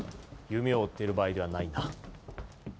夢を追っている場合ではないな。